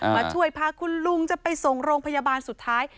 มาช่วยพาคุณลุงจะไปส่งโรงพยาบาลสุดท้าย